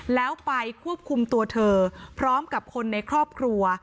แล้วไปควบคุมตัวเธอพร้อมกับคนในครอบครัว